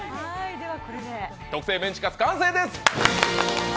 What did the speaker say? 特製メンチカツ完成です！